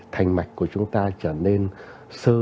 thành mạch của chúng ta trở nên sơ